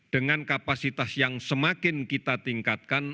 dengan kapasitas yang semakin kita tingkatkan